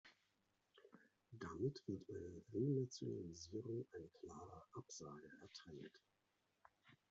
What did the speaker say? Damit wird einer Renationalisierung eine klare Absage erteilt.